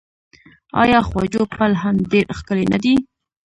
آیا خواجو پل هم ډیر ښکلی نه دی؟